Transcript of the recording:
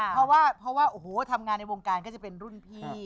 เพราะว่าโอ้โหทำงานในวงการก็จะเป็นรุ่นพี่